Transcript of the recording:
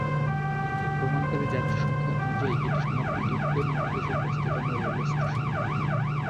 ভ্রমণকারী যাত্রীর সংখ্যা অনুযায়ী এটি সমগ্র ইউরোপ মহাদেশের ব্যস্ততম রেলস্টেশন।